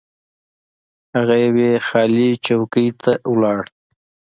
هغه یوې خالي چوکۍ ته لاړ.